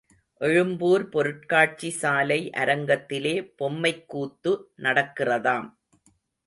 எழும்பூர் பொருட்காட்சி சாலை அரங்கத்திலே பொம்மைக்கூத்து நடக்கிறதாம்.